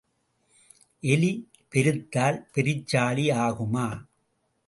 எலி பெருத்தால் பெருச்சாளி ஆகுமா?